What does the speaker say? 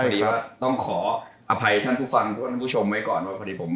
ดีว่าต้องขออภัยท่านผู้ฟังทุกท่านผู้ชมไว้ก่อนว่าพอดีผม